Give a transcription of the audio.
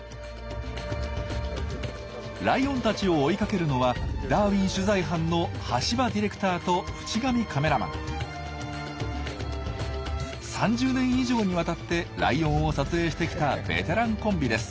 ライオンたちを追いかけるのはダーウィン取材班の３０年以上にわたってライオンを撮影してきたベテランコンビです。